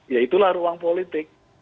ya itulah ruang politik